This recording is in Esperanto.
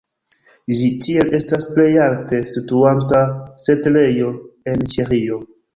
Ĝi tiel estas plej alte situanta setlejo en Ĉeĥio.